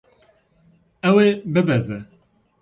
Ew ê bibeze.